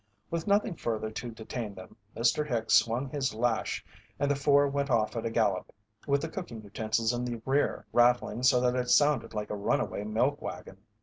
With nothing further to detain them, Mr. Hicks swung his lash and the four went off at a gallop, with the cooking utensils in the rear rattling so that it sounded like a runaway milk wagon.